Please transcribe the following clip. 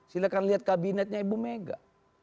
silahkan lihat kabinetnya bumega